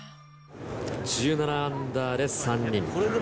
１７アンダーで３人。